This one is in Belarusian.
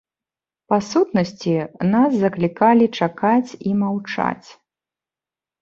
Па сутнасці, нас заклікалі чакаць і маўчаць.